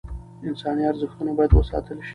انساني ارزښتونه باید وساتل شي.